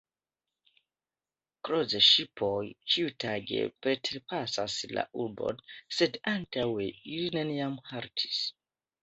Kroz-ŝipoj ĉiutage preterpasas la urbon, sed antaŭe ili neniam haltis.